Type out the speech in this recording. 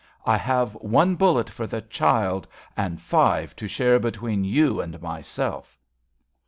I have one bullet for the child and five To share between you and myself.